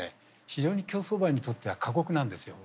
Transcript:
非常に競走馬にとっては過酷なんですよ。